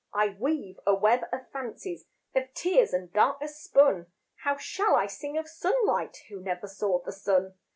I weave a web of fancies Of tears and darkness spun. How shall I sing of sunlight Who never saw the sun?